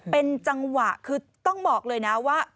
เป็นจังหวะคือต้องบอกเลยนะว่า